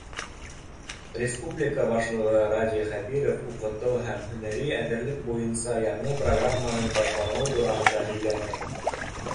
Республика башлығы Радий Хәбиров уҡытыу һәм һөнәри әҙерлек буйынса яңы программаның башланыуы тураһында һөйләне.